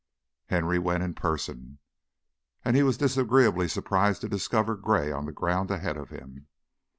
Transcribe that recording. Henry went in person, and he was disagreeably surprised to discover Gray on the ground ahead of him.